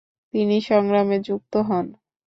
তিনি সংগ্রামে যুক্ত হন।